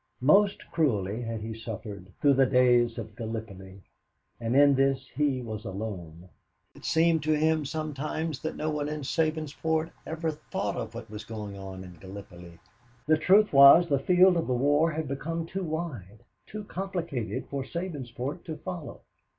Most cruelly had he suffered through the days of Gallipoli, and in this he was alone. It seemed to him sometimes that no one in Sabinsport ever thought of what was going on in Gallipoli. The truth was the field of the war had become too wide, too complicated, for Sabinsport to follow.